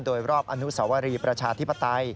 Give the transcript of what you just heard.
โดยรอบอนุสวรีประชาธิปไตย